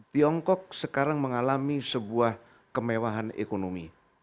tiongkok sekarang mengalami sebuah kemewahan ekonomi